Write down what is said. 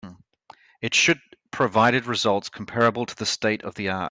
It should provided results comparable to the state of the art.